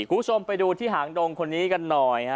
คุณผู้ชมไปดูที่หางดงคนนี้กันหน่อยฮะ